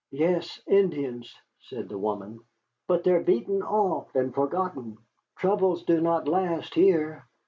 "Yes, Indians," said the woman; "but they are beaten off and forgotten. Troubles do not last here.